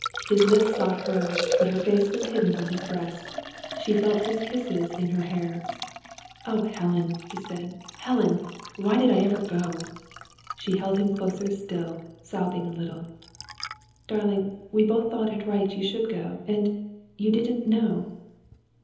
His lips sought hers, but her face was hidden on his breast. She felt his kisses in her hair. "Oh, Helen!" he said. "Helen! Why did I ever go!" She held him closer still, sobbing a little. "Darling, we both thought it right you should go. And you didn't know."